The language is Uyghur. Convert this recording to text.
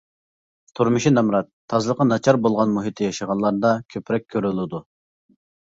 تۇرمۇشى نامرات، تازىلىقى ناچار بولغان مۇھىتتا ياشىغانلاردا كۆپرەك كۆرۈلىدۇ.